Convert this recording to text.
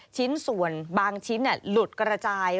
ชิ้นส่วนบางชิ้นหลุดกระจาย